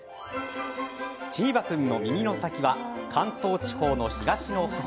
チーバくんの耳の先は関東地方の東の端。